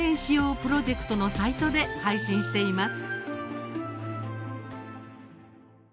プロジェクトのサイトで配信しています。